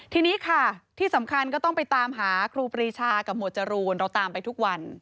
ทีนี้ค่ะที่สำคัญก็ต้องไปตามหาครูปรีชากับหมวดจรูนเราตามไปทุกวัน